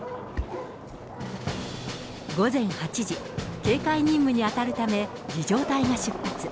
午前８時、警戒任務に当たるため、儀じょう隊が出発。